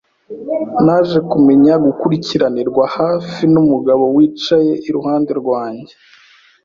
Naje kumenya gukurikiranirwa hafi numugabo wicaye iruhande rwanjye.